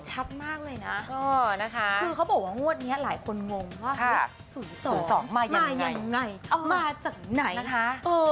ชัดมากเลยนะเออนะคะคือเขาบอกว่างวดนี้หลายคนงงว่าฮะศูนย์สองมายังไงมาจากไหนนะคะเออ